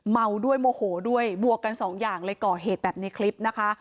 เมาด้วยโมโหด้วยบวกกันสองอย่างเลยก่อเหตุแบบในคลิปนะคะ